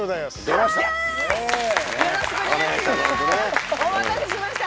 よろしくお願いします